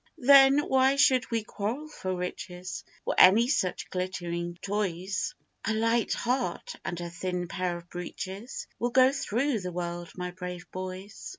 Then why should we quarrel for riches, Or any such glittering toys; A light heart, and a thin pair of breeches, Will go through the world, my brave boys!